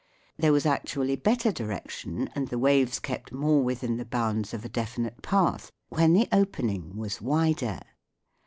There was actually better direc 160 THE WORLD OF SOUND tion and the waves kept more within the bounds of a definite path when the opening was wider.